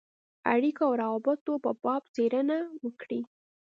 اړېکو او روابطو په باب څېړنه وکړي.